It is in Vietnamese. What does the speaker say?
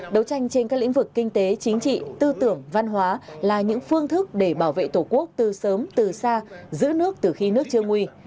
đấu tranh trên các lĩnh vực kinh tế chính trị tư tưởng văn hóa là những phương thức để bảo vệ tổ quốc từ sớm từ xa giữ nước từ khi nước chưa nguy